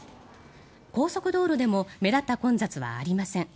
高速道路でも目立った混雑はありません。